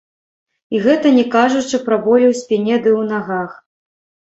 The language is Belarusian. І гэта не кажучы пра болі ў спіне ды ў нагах.